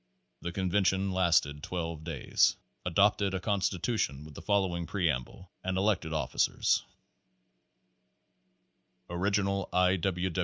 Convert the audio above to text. The convention lasted twelve days; adopted a con stitution with the following preamble, and elected of ficers : Original I.